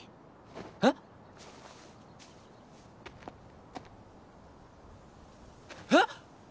えっ？えっ！？